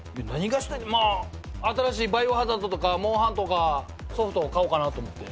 まあ新しい『バイオハザード』とか『モンハン』とかソフトを買おうかなと思って。